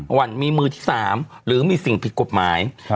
วันมีมือที่๓หรือมีสิ่งผิดกฎหมาย